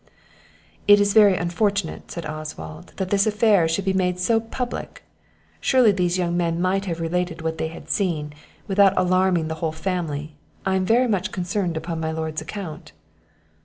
"It is very unfortunate," said Oswald, "that this affair should be made so public; surely these young men might have related what they had seen, without alarming the whole family. I am very much concerned upon my lord's account."